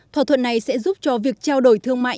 thỏa thuận này sẽ giúp cho việc trao đổi thương mại